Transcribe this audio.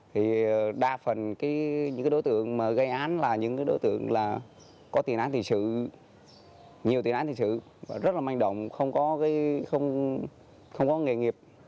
thì đa phần những đối tượng gây án là những đối tượng có tiền án thị sự nhiều tiền án thị sự rất là manh động không có nghề nghiệp